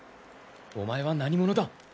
お前は何者だ？